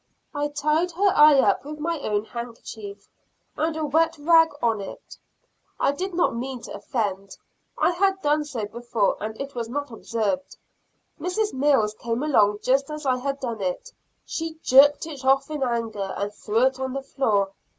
I tied her eye up with my own handkerchief, and a wet rag on it. I did not mean to offend, I had done so before and it was not observed. Mrs. Mills came along just as I had done it; she jerked it off in anger, and threw it on the floor.